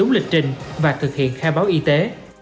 đi đúng lịch trình và thực hiện khe báo y tế